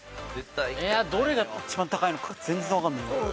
どれが一番高いのか全然わかんない。